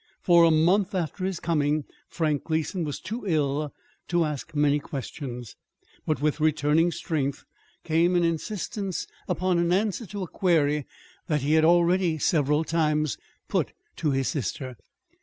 For a month after his coming Frank Gleason was too ill to ask many questions. But with returning strength came an insistence upon an answer to a query he had already several times put to his sister.